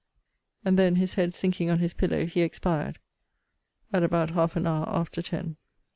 And then, his head sinking on his pillow, he expired, at about half an hour after ten.